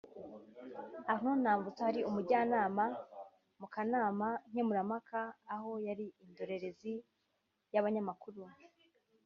Arnaud Ntamvutsa wari umujyanama mu kanama nkemurampaka aho yari indorerezi y'abanyamakuru